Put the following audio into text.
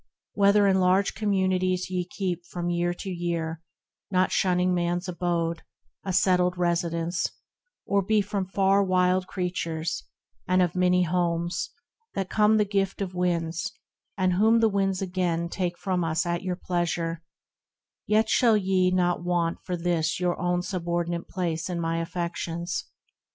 Whether in large communities ye keep From year to year, not shunning man's abode, A settled residence, or be from far Wild creatures, and of many homes, that come The gift of winds, and whom the winds again Take from us at your pleasure ; yet shall ye Not want for this your own subordinate place In my affections.